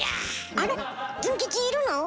あれっズン吉いるの？